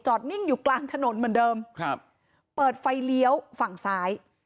นิ่งอยู่กลางถนนเหมือนเดิมครับเปิดไฟเลี้ยวฝั่งซ้าย